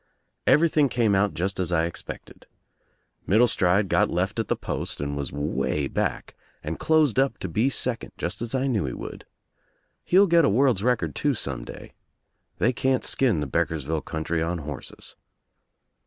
Everything came out just as I ex pected. Middlcstride got left at the post and was way back and closed up to be second, just as I knew he would. He'll get a world's record too some day. They can't skin the Beckersville country on horses.